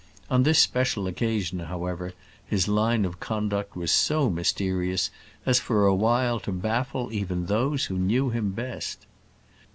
On this special occasion, however, his line of conduct was so mysterious as for a while to baffle even those who knew him best.